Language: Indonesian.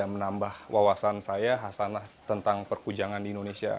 menambah wawasan saya hasanah tentang perkujangan di indonesia